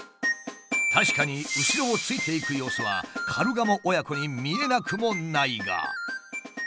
確かに後ろをついていく様子はカルガモ親子に見えなくもないが。